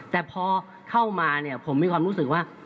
แต่พอเข้ามาเนี่ยผมมีความรู้สึกว่า